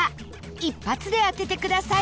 一発で当ててください